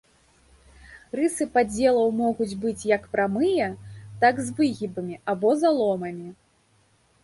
Рысы падзелаў могуць быць як прамыя, так з выгібамі або заломамі.